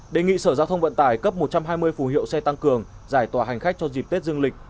đề nghị sở giao thông vận tải cấp một trăm hai mươi phù hiệu xe tăng cường giải tỏa hành khách cho dịp tết dương lịch